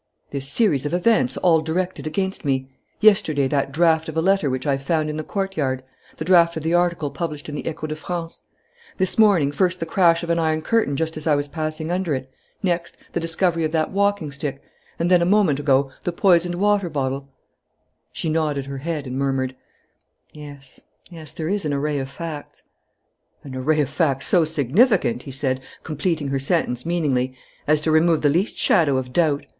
"This series of events, all directed against me. Yesterday, that draft of a letter which I found in the courtyard the draft of the article published in the Echo de France. This morning, first the crash of the iron curtain just as I was passing under it, next, the discovery of that walking stick, and then, a moment ago, the poisoned water bottle " She nodded her head and murmured: "Yes, yes there is an array of facts " "An array of facts so significant," he said, completing her sentence meaningly, "as to remove the least shadow of doubt.